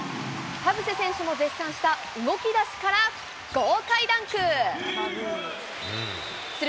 田臥選手も絶賛した動きだしから豪快ダンク。